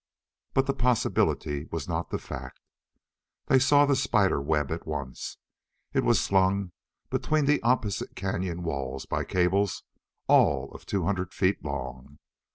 But the possibility was not the fact. They saw the spider web at once. It was slung between the opposite cañon walls by cables all of two hundred feet long.